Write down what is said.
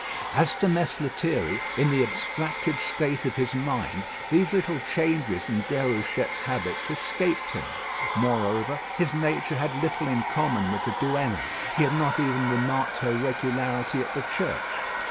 As to Mess Lethierry, in the abstracted state of his mind, these little changes in Déruchette's habits escaped him. Moreover, his nature had little in common with the Duenna. He had not even remarked her regularity at the church.